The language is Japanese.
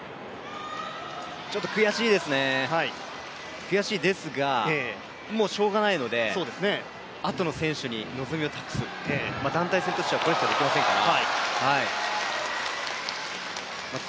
ちょっと悔しいですが、もうしょうがないので、あとの選手に望みを託す団体戦としてはこれしかありませんから。